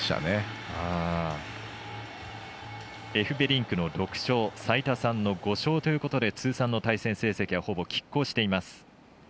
エフベリンクの６勝齋田さんの５勝ということで通算の対戦成績はほぼきっ抗しています。